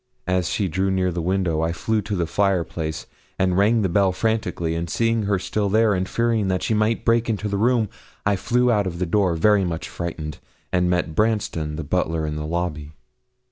As she drew near the window, I flew to the fireplace, and rang the bell frantically, and seeing her still there, and fearing that she might break into the room, I flew out of the door, very much frightened, and met Branston the butler in the lobby.